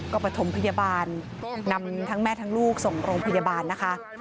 ก็ประถมพยาบาลนำทั้งแม่ทั้งลูกส่งโรงพยาบาลนะคะ